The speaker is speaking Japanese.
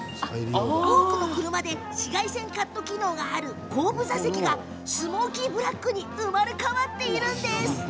多くの車で紫外線カット機能がある後部座席がスモーキーブラックに生まれ変わっているんです。